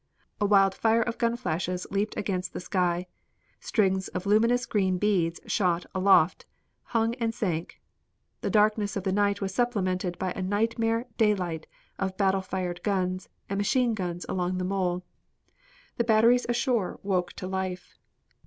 A wild fire of gun flashes leaped against the sky; strings of luminous green beads shot aloft, hung and sank. The darkness of the night was supplemented by a nightmare daylight of battle fired guns, and machine guns along the mole. The batteries ashore woke to life.